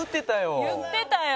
言うてたよ。